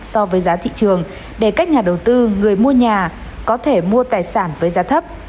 so với giá thị trường để các nhà đầu tư người mua nhà có thể mua tài sản với giá thấp